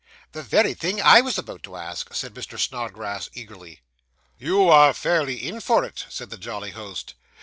'The very thing I was about to ask,' said Mr. Snodgrass eagerly. 'You are fairly in for it,' said the jolly host.